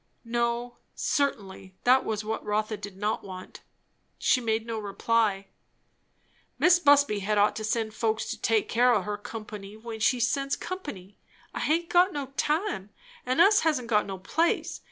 No, certainly, that was what Rotha did not want. She made no reply. "Mis' Busby had ought to send folks to take care o' her company, when she sends company. I haint got no time. And us hasn't got no place.